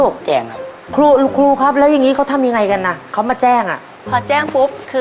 ครับลูก